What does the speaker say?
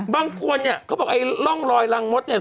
บางคนเนี่ยเขาบอกไอ้ร่องรอยรังมดเนี่ย